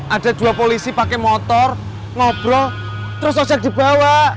ada dua polisi pake motor ngobrol terus ojak dibawa